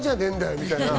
みたいな。